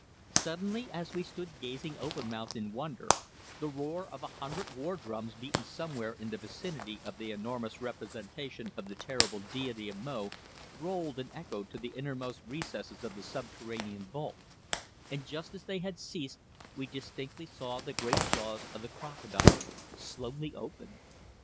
Suddenly, as we stood gazing open mouthed in wonder, the roar of a hundred war drums beaten somewhere in the vicinity of the enormous representation of the terrible deity of Mo rolled and echoed to the innermost recesses of the subterranean vault, and just as they had ceased we distinctly saw the giant jaws of the crocodile slowly open.